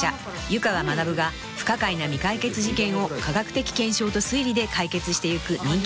湯川学が不可解な未解決事件を科学的検証と推理で解決してゆく人気シリーズです］